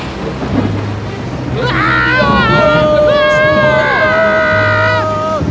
ketika dia menangis dia menangis